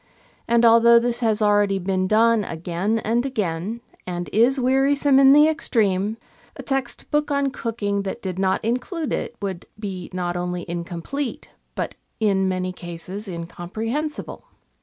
And, although this has already been done again and again, and is wearisome in the extreme, a text book on cooking that did not include it would be not only incomplete, but in many cases incomprehensible.